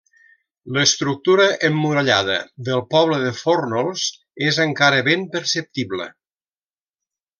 L'estructura emmurallada del poble de Fórnols és encara ben perceptible.